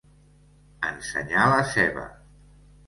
Ensenyar la ceba.